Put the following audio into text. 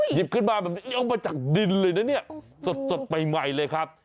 หยิบขึ้นมาแบบนี้ออกมาจากดินเลยนะเนี่ยสดใหม่เลยครับ